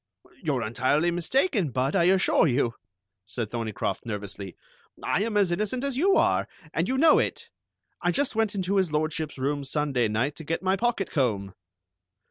"You're entirely mistaken, Budd, I assure you," said Thorneycroft nervously. "I am as innocent as you are, and you know it. I just went into His Lordship's room Sunday night to get my pocket comb."